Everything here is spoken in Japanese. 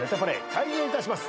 開演いたします。